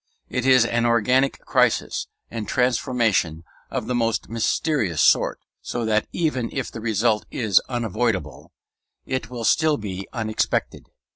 It is an organic crisis and transformation of the most mysterious sort; so that even if the result is unavoidable, it will still be unexpected.